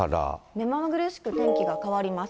目まぐるしく天気が変わります。